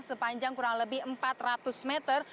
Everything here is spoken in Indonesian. sepanjang kurang lebih empat ratus meter